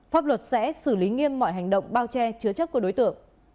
pháp luật sẽ xử lý nghiêm mọi hành động bao che chứa chấp của đối tượng